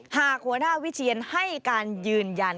หากหัวหน้าวิเชียนให้การยืนยัน